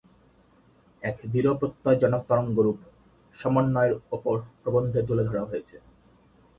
এক দৃঢ়প্রত্যয়জনক তরঙ্গরূপ, সমন্বয়ের ওপর প্রবন্ধে তুলে ধরা হয়েছে।